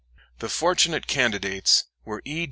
The fortunate candidates were E.